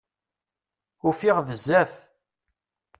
Ufiɣ bezzaf.